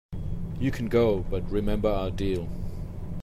You can go, but remember our deal.